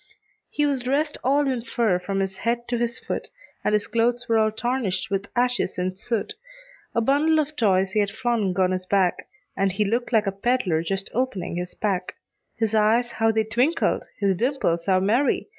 He was dressed all in fur from his head to his foot, And his clothes were all tarnished with ashes and soot; A bundle of toys he had flung on his back, And he looked like a peddler just opening his pack; His eyes how they twinkled! his dimples how merry!